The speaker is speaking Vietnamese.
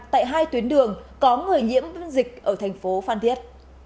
tại hai tuyến đường có người nhiễm dịch ở thành phố phan thiết